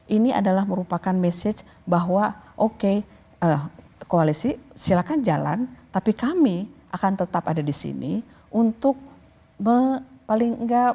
ini adalah merupakan message bahwa oke koalisi silakan jalan tapi kami akan tetap ada di sini untuk paling enggak